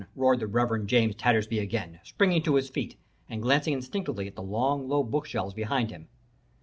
roared the Reverend James Tattersby again, springing to his feet and glancing instinctively at the long low book shelves behind him.